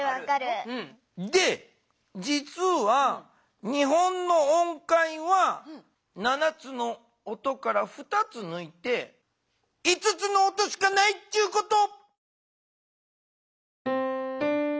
じつは日本の音階は７つの音から２つぬいて５つの音しかないっちゅうこと。